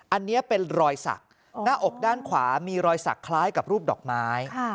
อันนี้เป็นรอยสักหน้าอกด้านขวามีรอยสักคล้ายกับรูปดอกไม้